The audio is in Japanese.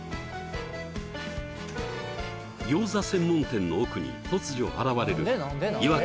餃子専門店の奥に突如現れる違和感